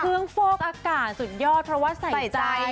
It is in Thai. ฟอกอากาศสุดยอดเพราะว่าใส่ใจ